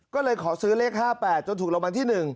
ก็เลยขอซื้อเลข๕๘จนถูกรางวัลที่๑